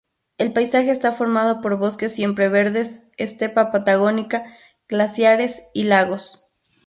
El paisaje está formado por bosques siempreverdes, estepa patagónica, glaciares y lagos.